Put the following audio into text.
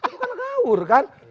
bukan gaur kan